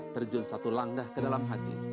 terjun satu langgah ke dalam hati